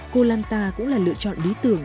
koh lanta cũng là lựa chọn lý tưởng